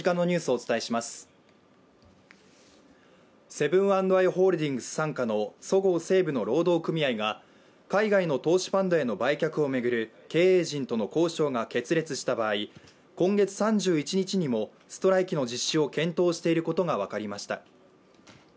セブン＆アイ・ホールディングス傘下のそごう・西武の労働組合が海外の投資ファンドへの売却を巡る経営陣との交渉が決裂した場合今月３１日にもストライキの実施を検討していることが分かりました。